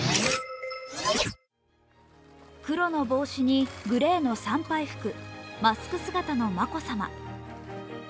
黒の帽子にグレーの参拝服マスク姿の眞子さま。